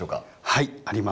はいあります。